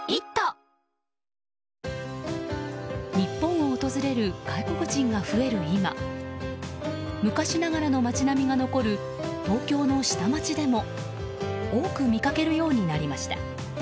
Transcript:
日本を訪れる外国人が増える今昔ながらの街並みが残る東京の下町でも多く見かけるようになりました。